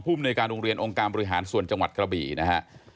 มนุยการโรงเรียนองค์การบริหารส่วนจังหวัดกระบี่นะฮะ